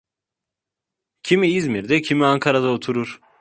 Kimi İzmir'de, kimi Ankara'da oturur…